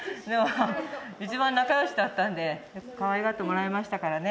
一番仲よしだったんでかわいがってもらいましたからね。